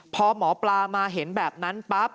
พอหมอปลามาเห็นแบบนั้นปั๊บ